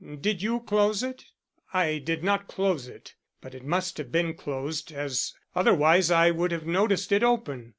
Did you close it?" "I did not close it, but it must have been closed, as otherwise I would have noticed it open.